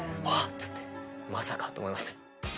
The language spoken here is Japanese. つってまさかと思いました